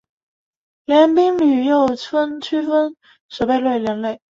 联兵旅又区分为守备旅两类。